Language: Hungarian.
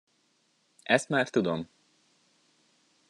Ezt már tudom!